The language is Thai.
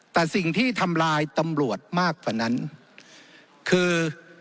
แต่สิ่งที่ทำลายตำรวจมากกว่านั้นคือ